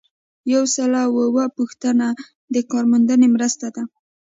یو سل او اووه پوښتنه د کارموندنې مرسته ده.